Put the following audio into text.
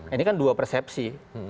ini kan dua persepsi